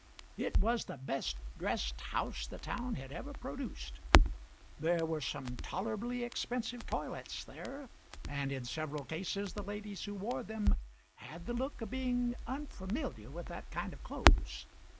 It was the best dressed house the town had ever produced. There were some tolerably expensive toilets there, and in several cases the ladies who wore them had the look of being unfamiliar with that kind of clothes.